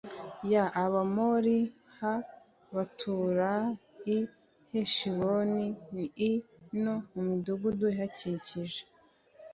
y abamori h batura i heshiboni i no mu midugudu ihakikije